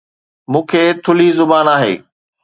مون کي ٿلهي زبان آهي